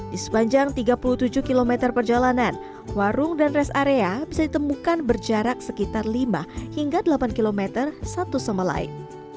di sepanjang tiga puluh tujuh km perjalanan warung dan rest area bisa ditemukan berjarak sekitar lima hingga delapan km satu sama lain